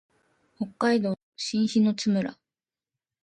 北海道新篠津村